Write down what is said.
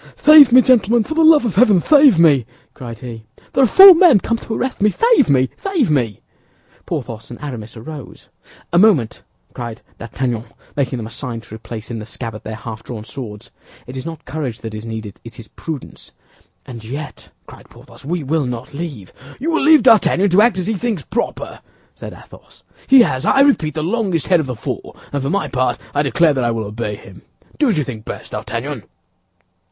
"Save me, gentlemen, for the love of heaven, save me!" cried he. "There are four men come to arrest me. Save me! Save me!" Porthos and Aramis arose. "A moment," cried D'Artagnan, making them a sign to replace in the scabbard their half drawn swords. "It is not courage that is needed; it is prudence." "And yet," cried Porthos, "we will not leave—" "You will leave D'Artagnan to act as he thinks proper," said Athos. "He has, I repeat, the longest head of the four, and for my part I declare that I will obey him. Do as you think best, D'Artagnan."